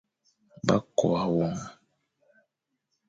Ba kôa won.